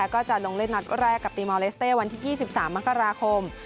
ก็จะลงเล่นนัดแรกกับตีมอลเลสเต้วันที่๒๓มกราคม